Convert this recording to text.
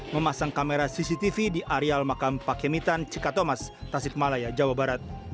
memasang kamera cctv di areal makam pakemitan cikatomas tasik malaya jawa barat